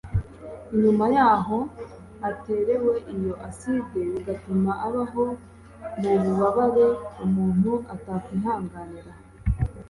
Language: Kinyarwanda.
inyuma yaho aterewe iyo acide bigatuma abaho mu bubabare umuntu atakwihanganira